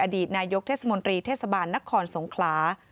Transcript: อดีตนายกเทศมนตรีเทศบาลนครสงขลา